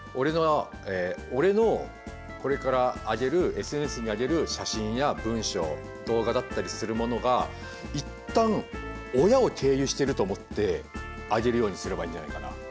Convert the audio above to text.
俺のこれからＳＮＳに上げる写真や文章動画だったりするものが一旦親を経由してると思って上げるようにすればいいんじゃないかな。